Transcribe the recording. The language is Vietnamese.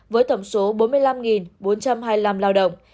với tổng số bốn mươi năm bốn trăm hai mươi năm lao động